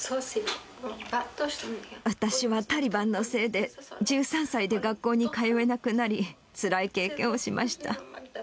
私はタリバンのせいで、１３歳で学校に通えなくなり、つらい経験をしました。